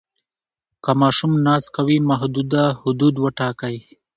که ماشوم ناز کوي، محدوده حدود وټاکئ.